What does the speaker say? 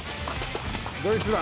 「どいつだ？」